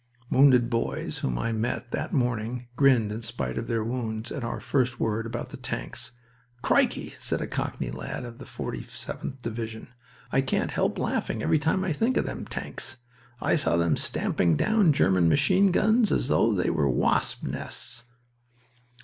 Wounded boys whom I met that morning grinned in spite of their wounds at our first word about the tanks. "Crikey!" said a cockney lad of the 47th Division. "I can't help laughing every time I think of them tanks. I saw them stamping down German machine guns as though they were wasps' nests."